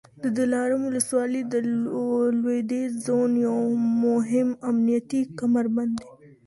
د دلارام ولسوالي د لوېدیځ زون یو مهم امنیتي کمربند دی